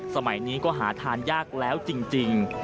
สมัยนี้ก็หาทานยากแล้วจริง